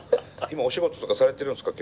今お仕事とかされてるんですか？